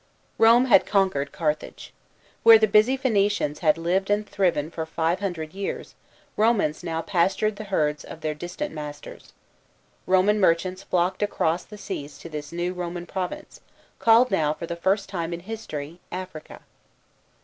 ROME had conquered Carthage. Where the busy Phoenicians had lived and thriven for five hundred years, Romans now pastured the herds of their distant masters. Roman merchants flocked across the seas to this new Roman province, called now for the first time in history Africa.